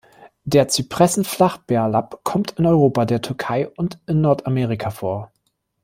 Der Zypressen-Flachbärlapp kommt in Europa, der Türkei und in Nordamerika vor.